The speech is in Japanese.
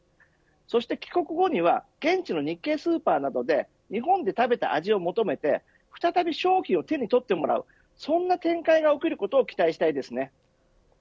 そして帰国後には現地の日系スーパーなどで日本で食べた味を求めて再び商品を手に取ってもらうそんな展開が起きることを期待したいです。